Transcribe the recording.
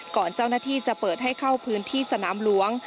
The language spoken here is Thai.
ก่อนเจ้าหน้าที่จะเปิดให้เข้าพื้นที่สนามหลวง